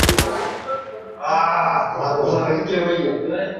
ওটা বৃথা হচ্ছে।